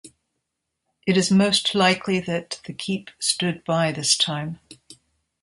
It is most likely that the keep stood by this time.